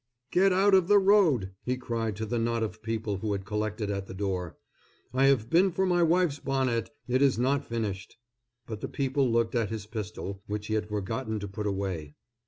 "Get out of the road!" he cried to the knot of people who had collected at the door. "I have been for my wife's bonnet; it is not finished." But the people looked at his pistol, which he had forgotten to put away.